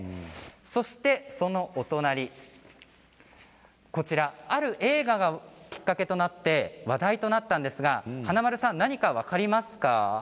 そしてそのお隣こちら、ある映画がきっかけとなって話題となったんですが華丸さん、何か分かりますか？